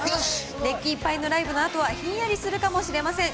熱気いっぱいのライブのあとは、ひんやりするかもしれません。